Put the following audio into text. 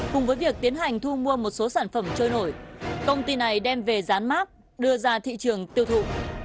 cùng với việc tiến hành thu mua một số sản phẩm trôi nổi công ty này đem về dán mát đưa ra thị trường tiêu thụ